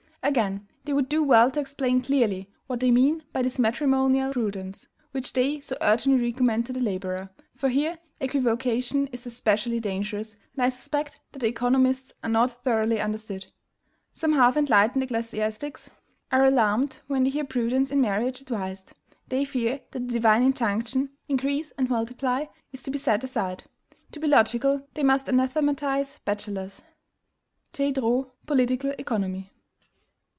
Again, they would do well to explain clearly what they mean by this matrimonial prudence which they so urgently recommend to the laborer; for here equivocation is especially dangerous, and I suspect that the economists are not thoroughly understood. "Some half enlightened ecclesiastics are alarmed when they hear prudence in marriage advised; they fear that the divine injunction INCREASE AND MULTIPLY is to be set aside. To be logical, they must anathematize bachelors." (J. Droz: Political Economy.)